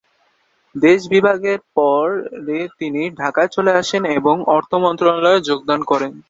দেশ বিভাগের পরে তিনি ঢাকায় চলে আসেন এবং অর্থ মন্ত্রণালয়ে যোগদান করেন।